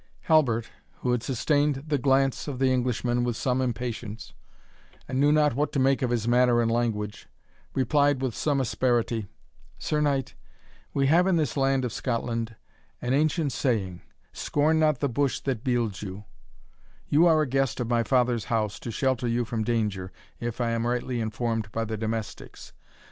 Halbert, who had sustained the glance of the Englishman with some impatience, and knew not what to make of his manner and language, replied with some asperity, "Sir Knight, we have in this land of Scotland an ancient saying, 'Scorn not the bush that bields you' you are a guest of my father's house to shelter you from danger, if I am rightly informed by the domestics.